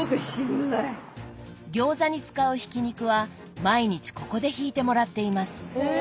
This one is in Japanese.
餃子に使うひき肉は毎日ここでひいてもらっています。